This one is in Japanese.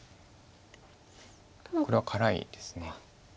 これは辛いです。